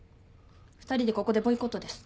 ２人でここでボイコットです。